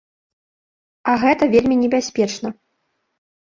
А гэта вельмі небяспечна.